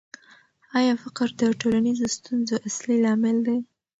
آیا فقر د ټولنیزو ستونزو اصلي لامل دی؟